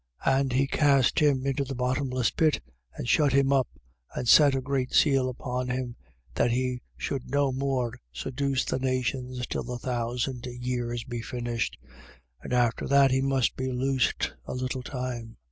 And he cast him into the bottomless pit and shut him up and set a seal upon him, that he should no more seduce the nations till the thousand years be finished. And after that, he must be loosed a little time.